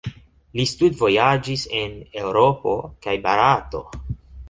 Li studvojaĝis en Eŭropo kaj Barato.